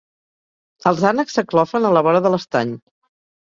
Els ànecs s'aclofen a la vora de l'estany.